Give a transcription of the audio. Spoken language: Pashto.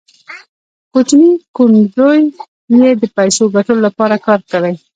کوچني کوڼ زوی یې د پیسو ګټلو لپاره کار کړی